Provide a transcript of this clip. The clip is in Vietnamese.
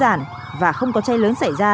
mà nó có thể xảy ra